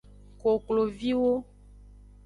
Kokloviwo.